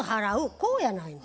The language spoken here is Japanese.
こうやないの。